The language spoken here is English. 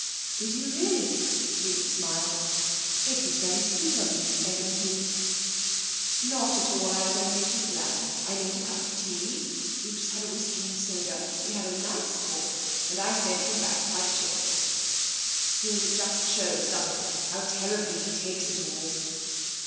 'Did you really?' Edith smiled. 'It was very sweet of you, Eglantine.' 'Not at all; I was only too glad. I made a cup of tea, Bruce had a whisky and soda, we had a nice talk, and I sent him back quite cheerful. Still, it just shows, doesn't it, how terribly he takes it all?'